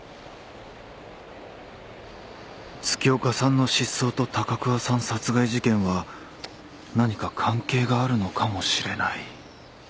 月岡さんの失踪と高桑さん殺害事件は何か関係があるのかもしれない